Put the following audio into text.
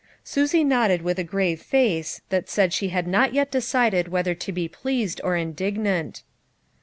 Susie nodded with a grave face that said she had not yet decided whether to be pleased or indignant.